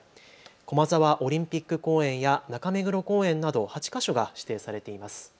駒沢オリンピック公園や中目黒公園など８か所が指定されています。